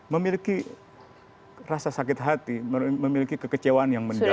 memiliki rasa sakit hati memiliki kekecewaan yang mendalam